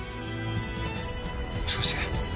もしかして。